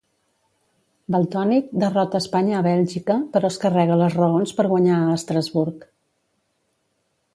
Valtònyc derrota Espanya a Bèlgica però es carrega les raons per guanyar a Estrasburg.